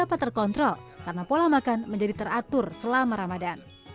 dapat terkontrol karena pola makan menjadi teratur selama ramadan